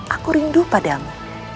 aku rindu padamu